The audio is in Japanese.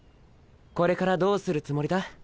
これからどうするつもりだ？